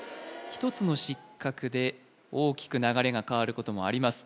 １つの失格で大きく流れが変わることもあります